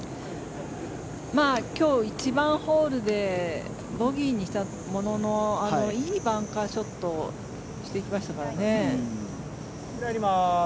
今日、１番ホールでボギーにしたもののいいバンカーショットをしていきましたからね。